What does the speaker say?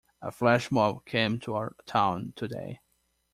A flash mob came to our town today.